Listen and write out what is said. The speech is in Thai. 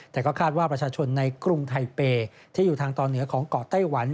แต่ก็คาดว่าประชาชนในกรุงไทเปย์ที่อยู่ทางตอนเหนือของเกาะไต้หวัน